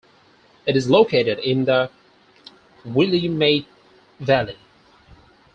It is located in the Willamette Valley.